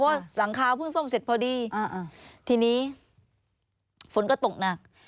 เพราะว่าหลังคาเพิ่งซ่อมเสร็จพอดีทีนี้ฝนก็ตกหนัก